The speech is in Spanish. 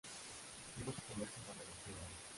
Le gusta esconderse bajo las piedras.